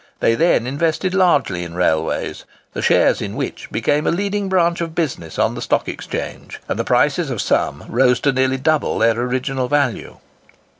They then invested largely in railways, the shares in which became a leading branch of business on the Stock Exchange, and the prices of some rose to nearly double their original value.